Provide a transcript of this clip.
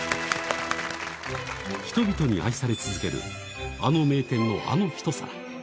人々に愛され続けるあの名店のあの一皿。